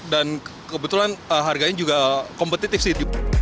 dan kebetulan harganya juga kompetitif sih